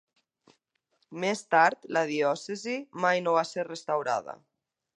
Més tard, la diòcesi mai no va ser restaurada.